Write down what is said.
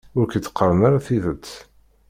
Ur k-d-qqaren ara tidet.